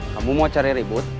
kamu mau cari ribut